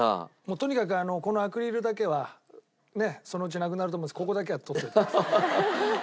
とにかくこのアクリルだけはそのうちなくなると思うんですけどここだけは取っておいてください。